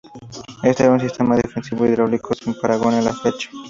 Este era un sistema defensivo hidráulico sin parangón en la fecha.